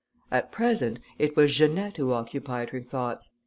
At present, it was Janette who occupied her thoughts.